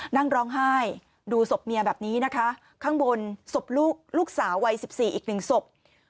นั่งร้องไห้ดูศพเมียแบบนี้นะคะข้างบนศพลูกลูกสาววัยสิบสี่อีกหนึ่งศพ